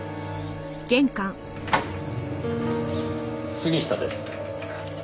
杉下です。